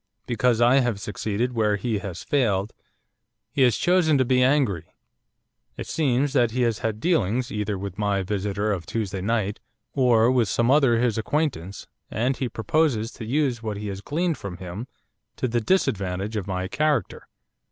Because I have succeeded where he has failed, he has chosen to be angry. It seems that he has had dealings, either with my visitor of Tuesday night, or with some other his acquaintance, and he proposes to use what he has gleaned from him to the disadvantage of my character.